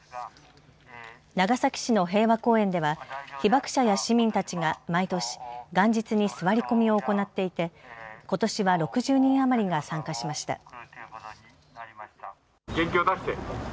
長崎市の平和公園では被爆者や市民たちが毎年元日に座り込みを行っていてことしは６０人余りが参加しました。